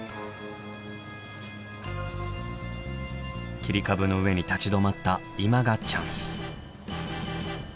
切り株の上に立ち止まった今がチャンス！